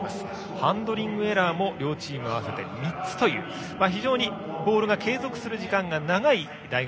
ハンドリングエラーも両チーム合わせて３つという非常にボールが継続する時間が長い大学